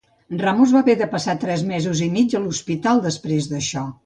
Ramos va haver de passar tres mesos i mig a l'hospital desprès d'això.